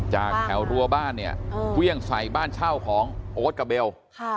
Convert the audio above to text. จากแถวรัวบ้านเนี่ยเครื่องใส่บ้านเช่าของโอ๊ตกับเบล